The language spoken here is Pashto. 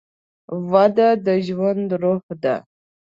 وده د ژوند روح ده.